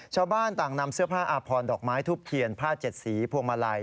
ชาวบ้านต่างนำเสื้อผ้าอาพรดอกไม้ทุบเทียนผ้าเจ็ดสีพวงมาลัย